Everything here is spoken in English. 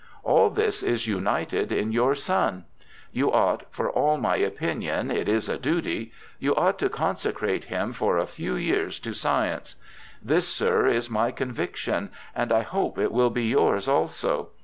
All this is united in your son. You ought — for in my opinion it is a duty — you ought to consecrate him for a few years to science. This, sir, is my conviction, and I hope it will be yours also.